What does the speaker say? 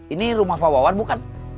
ini rumah pak wawan bukan